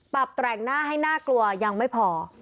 แกร่งหน้าให้น่ากลัวยังไม่พอ